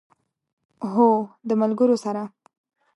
هو، د ملګرو سره